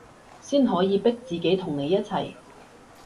先可以逼自己同你一齊